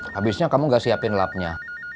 habisnya kamu gak siapin lapnya